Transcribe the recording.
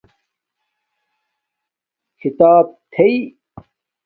کھیتاپ تھݵ